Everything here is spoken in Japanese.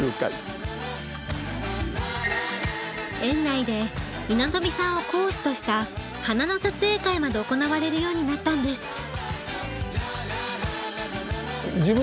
園内で稲富さんを講師とした花の撮影会まで行われるようになったんです。